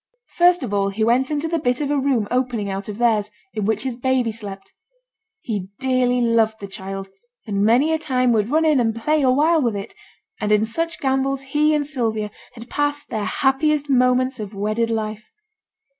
First of all he went into the bit of a room opening out of theirs, in which his baby slept. He dearly loved the child, and many a time would run in and play a while with it; and in such gambols he and Sylvia had passed their happiest moments of wedded life.